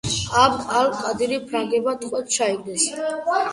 აბდ ალ-კადირი ფრანგებმა ტყვედ ჩაიგდეს.